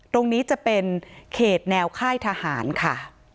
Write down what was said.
ตรงนี้จะเป็นเขตแนวค่ายทหารค่ะ